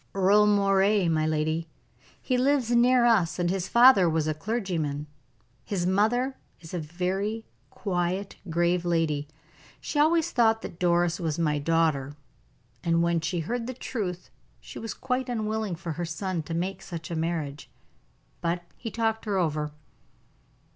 "Earle Moray, my lady. He lives near us, and his father was a clergyman. His mother is a very quiet, grave lady. She always thought that Doris was my daughter, and when she heard the truth she was quite unwilling for her son to make such a marriage. But he talked her over."